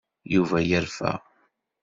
Yuba yerfa.